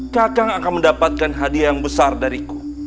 kakang akan mendapatkan hadiah yang besar dariku